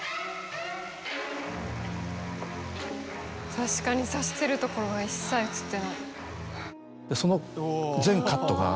確かに刺してるところは一切映ってない。